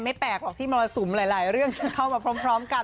แปลกหรอกที่มรสุมหลายเรื่องจะเข้ามาพร้อมกัน